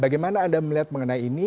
bagaimana anda melihat mengenai ini